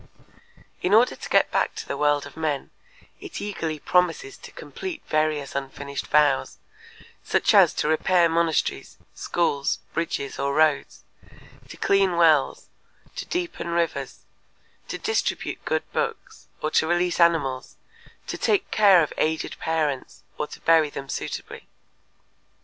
In order to get back to the world of men, it eagerly promises to complete various unfinished vows, such as to repair monasteries, schools, bridges, or roads, to clean wells, to deepen rivers, to distribute good books, to release animals, to take care of aged parents, or to bury them suitably.